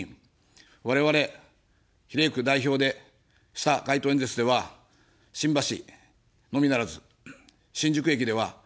我々、比例区代表でした街頭演説では、新橋のみならず、新宿駅では１５００名。